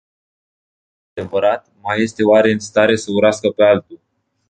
Cine iubește cu adevărat, mai este oare în stare să urască pe altul?